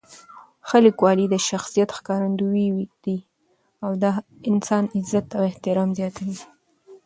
ښه لیکوالی د شخصیت ښکارندوی دی او د انسان عزت او احترام زیاتوي.